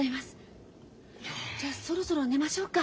じゃあそろそろ寝ましょうか。